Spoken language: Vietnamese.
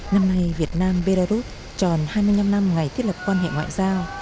năm nay việt nam belarus tròn hai mươi năm năm ngày thiết lập quan hệ ngoại giao